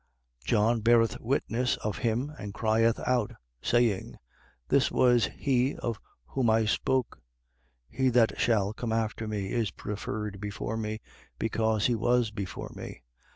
1:15. John beareth witness of him and crieth out, saying: This was he of whom I spoke: He that shall come after me is preferred before me: because he was before me.